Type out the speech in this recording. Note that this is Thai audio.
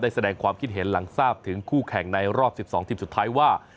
แสดงความคิดเห็นหลังทราบถึงคู่แข่งในรอบ๑๒ทีมสุดท้ายว่า